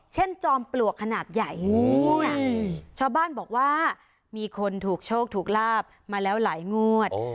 จอมปลวกขนาดใหญ่ชาวบ้านบอกว่ามีคนถูกโชคถูกลาบมาแล้วหลายงวด